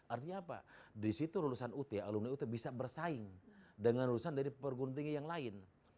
artinya apa disitu lulusan ut alumni ut bisa bersaing dengan lulusan dari perguruan tinggi yang lain